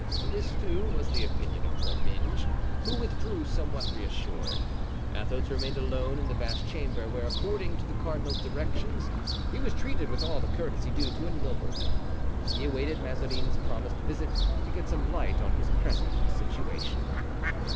This, too, was the opinion of Comminges, who withdrew somewhat reassured. Athos remained alone in the vast chamber, where, according to the cardinal's directions, he was treated with all the courtesy due to a nobleman. He awaited Mazarin's promised visit to get some light on his present situation.